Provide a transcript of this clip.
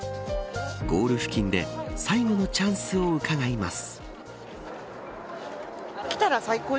ゴール付近で最後のチャンスをうかがいます。